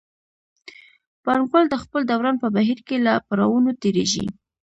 پانګوال د خپل دوران په بهیر کې له پړاوونو تېرېږي